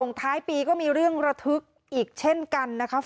ท้ายปีก็มีเรื่องระทึกอีกเช่นกันนะคะ